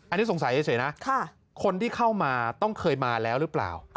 อันนี้สงสัยเฉยนะคนที่เข้ามาต้องเคยมาแล้วหรือเปล่า